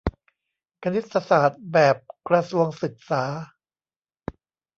คณิตศาสตร์แบบกระทรวงศึกษา